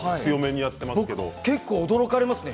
僕は驚かれますね。